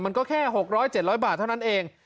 มันก็แค่๖๐๐๗๐๐บาทเท่านั้นเอง